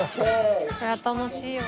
そりゃ楽しいよね。